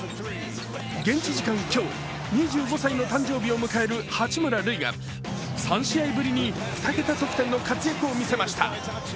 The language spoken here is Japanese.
現地時間今日、２５歳の誕生日を迎える八村塁が３試合ぶりに２桁得点の活躍を見せました。